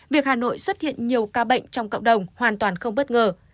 việc hà nội xuất hiện nhiều ca bệnh trong cộng đồng hoàn toàn không bất ngờ